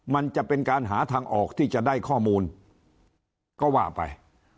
มันจะเป็นการหาทางออกที่จะได้ข้อมูลก็ว่าไป